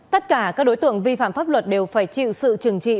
tất cả các đối tượng vi phạm pháp luật đều phải chịu sự trừng trị